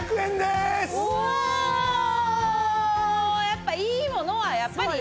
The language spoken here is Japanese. やっぱいいものはやっぱり。